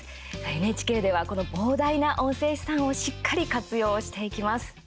ＮＨＫではこの膨大な音声資産をしっかり活用していきます。